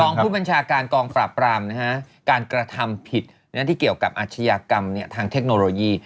รองผู้บรรชาการกองกระทำผิดที่เกี่ยวกับอัชยากรรมทางเทคโนโลยี